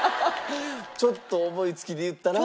ちょっと思いつきで言ったら。